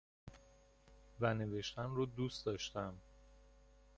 و نوشن رو دوست داشتم